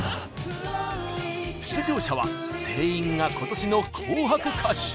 出場者は全員が今年の「紅白」歌手。